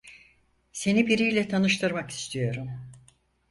Seni biriyle tanıştırmak istiyorum.